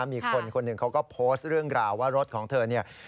มีคนคนหนึ่งเขาก็โพสต์เรื่องราวว่ารถของเธอเนี่ย